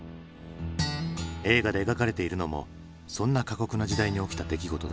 映画で描かれているのもそんな過酷な時代に起きた出来事だ。